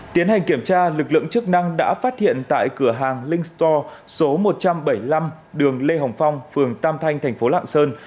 tiến hành kiểm tra lực lượng chức năng đã phát hiện tại cửa hàng link store số một trăm bảy mươi năm đường lê hồng phong phường tam thanh thành phố lạng sơn